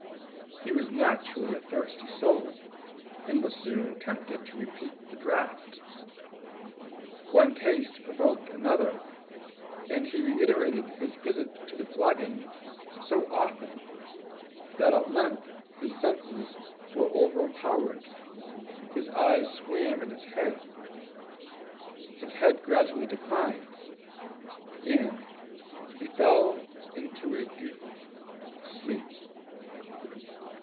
He was naturally a thirsty soul, and was soon tempted to repeat the draught. One taste provoked another; and he reiterated his visits to the flagon so often that at length his senses were overpowered, his eyes swam in his head, his head gradually declined, and he fell into a deep sleep.